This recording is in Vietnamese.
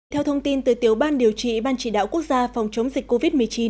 theo thông tin từ tiểu ban điều trị ban chỉ đạo quốc gia phòng chống dịch covid một mươi chín